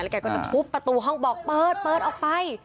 แล้วแกก็จะทุบประตูห้องบอกเปิดออกไป